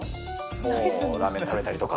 ラーメン食べたりとか。